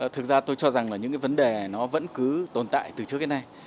thực ra tôi cho rằng là những cái vấn đề nó vẫn cứ tồn tại từ trước đến nay